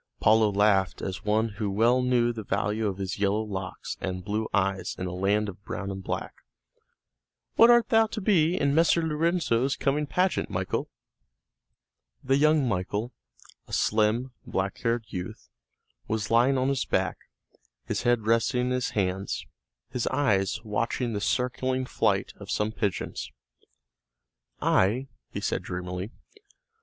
Paolo laughed as one who well knew the value of his yellow locks and blue eyes in a land of brown and black. "What art thou to be in Messer Lorenzo's coming pageant, Michael?" The young Michael, a slim, black haired youth, was lying on his back, his head resting in his hands, his eyes watching the circling flight of some pigeons. "I?" he said dreamily.